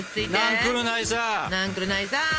なんくるないさ！